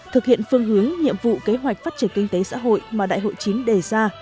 thực hiện phương hướng nhiệm vụ kế hoạch phát triển kinh tế xã hội mà đại hội chín đề ra